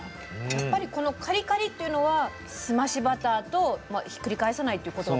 やっぱりこのカリカリっていうのは澄ましバターとひっくり返さないっていうこと？